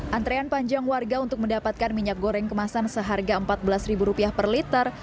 antrean panjang warga untuk mendapatkan minyak goreng kemasan seharga rp empat belas per liter